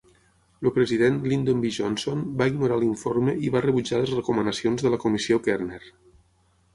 El president Lyndon B. Johnson va ignorar l'informe i va rebutjar les recomanacions de la Comissió Kerner.